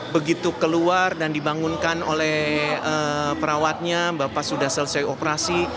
begitu keluar dan dibangunkan oleh perawatnya bapak sudah selesai operasi